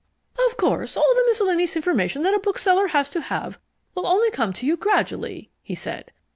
"Of course all the miscellaneous information that a bookseller has to have will only come to you gradually," he said.